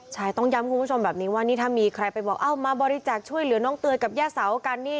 ใช่ต้องย้ำคุณผู้ชมแบบนี้ว่านี่ถ้ามีใครไปบอกเอามาบริจาคช่วยเหลือน้องเตยกับย่าเสากันนี่